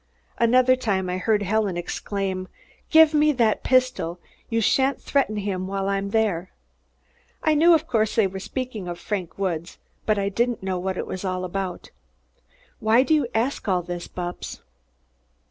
Another time I heard Helen exclaim, 'Give me that pistol! You shan't threaten him while I'm there!' I knew, of course, they were speaking of Frank Woods, but I didn't know what it was all about. But why do you ask all this, Bupps?"